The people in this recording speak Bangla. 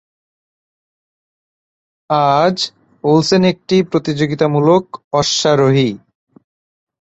আজ, ওলসেন একটি প্রতিযোগিতামূলক অশ্বারোহী।